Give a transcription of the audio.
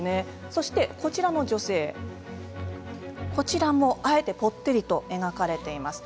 そしてこちらの女性あえてぽってりと描かれています。